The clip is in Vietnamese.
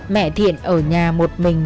mẹ thiện ở nhà một mình